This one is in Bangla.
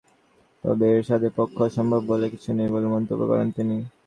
তবে এরশাদের পক্ষে অসম্ভব বলে কিছু নেই বলে মন্তব্য করেন তিনি।